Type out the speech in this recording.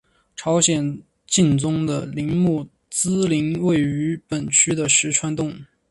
朝鲜景宗的陵墓懿陵位于本区的石串洞。